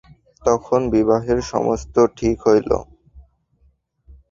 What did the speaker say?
তখন বিবাহের সমস্ত ঠিক হইল।